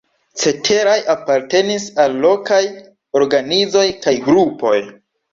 Ceteraj apartenis al lokaj organizoj kaj grupoj.